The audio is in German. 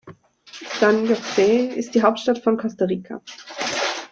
San José ist die Hauptstadt von Costa Rica.